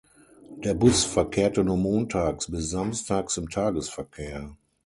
Der Bus verkehrte nur montags bis samstags im Tagesverkehr.